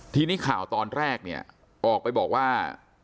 ทีนี้ข่าวตอนแรกเนี่ยออกไปบอกว่า